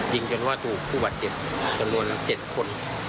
ยิงจนว่าถูกผู้บาดเจ็บจำนวน๗คน